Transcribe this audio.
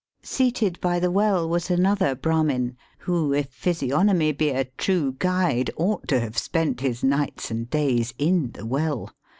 Seated by the well was another Brahmin, who, if physiognomy be a true guide, ought to have spent his nights and days in the well.